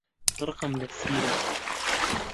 ڕقم لە سیرە.